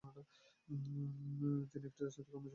তিনি একটি রাজনৈতিক কর্মজীবনের জন্য প্রচেষ্টা করেছিলেন।